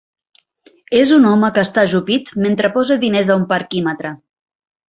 És un home que està ajupit mentre posa diners a un parquímetre.